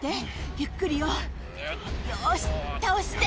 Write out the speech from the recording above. ゆっくりよよし倒して。